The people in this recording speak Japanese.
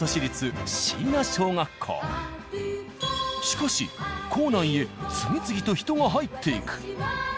しかし校内へ次々と人が入っていく。